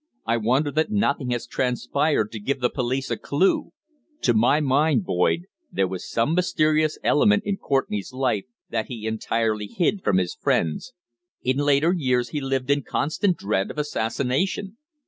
I wonder that nothing has transpired to give the police a clue. To my mind, Boyd, there was some mysterious element in Courtenay's life that he entirely hid from his friends. In later years he lived in constant dread of assassination."